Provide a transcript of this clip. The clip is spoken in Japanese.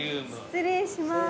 失礼します。